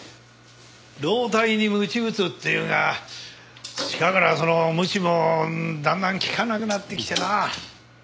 老体に鞭打つっていうが近頃はその鞭もだんだん効かなくなってきてな。